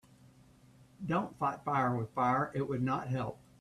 Don‘t fight fire with fire, it would not help.